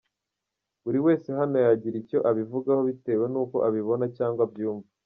Buri wese hano yagira icyo abivugaho bitewe n’uko abibona cyangwa abyumva.